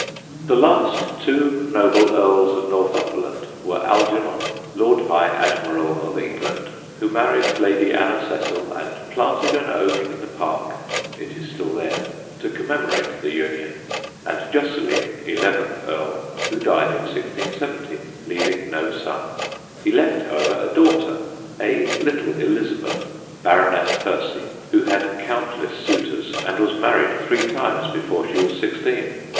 The last two noble Earls of Northumberland were Algernon, Lord High Admiral of England, who married Lady Anna Cecil, and planted an oak in the Park (it is still there) to commemorate the union; and Josceline, eleventh Earl, who died in 1670, leaving no son. He left, however, a daughter, a little Elizabeth, Baroness Percy, who had countless suitors and was married three times before she was sixteen.